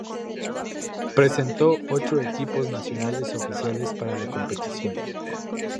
Presentó ocho equipos nacionales oficiales para la competición.